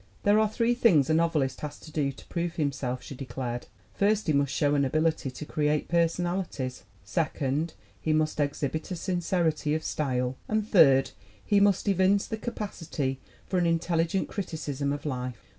'There are three things a novelist has to do to prove himself," she declared. "First, he must show an ability to create personalities; second, he must exhibit a sincerity of style; and third, he must evince the capacity for an intelligent criticism of life.